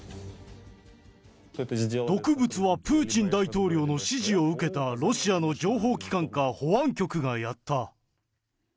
毒物はプーチン大統領の指示を受けたロシアの情報機関か保安局がやった。